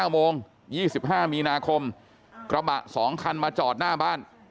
๙โมง๒๕มีนาคมกระบะ๒คันมาจอดหน้าบ้าน